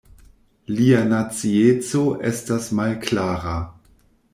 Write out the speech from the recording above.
Lia nacieco estas malklara.